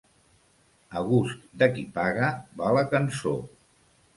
A gust de qui paga va la cançó.